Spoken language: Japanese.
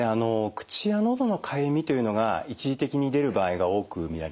口やのどのかゆみというのが一時的に出る場合が多く見られます。